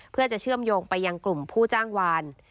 เพื่อจะเชื่อมโยงไปยังกลุ่มผู้จ้างวาน